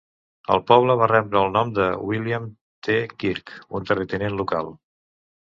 El poble va rebre el nom de William T. Kirk, un terratinent local.